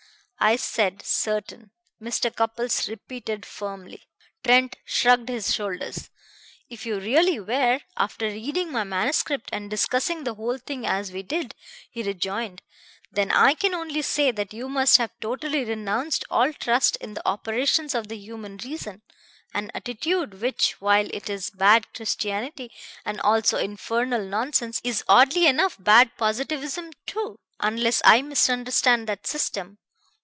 "I said 'certain,'" Mr. Cupples repeated firmly. Trent shrugged his shoulders. "If you really were, after reading my manuscript and discussing the whole thing as we did," he rejoined, "then I can only say that you must have totally renounced all trust in the operations of the human reason; an attitude which, while it is bad Christianity and also infernal nonsense, is oddly enough bad Positivism too, unless I misunderstand that system.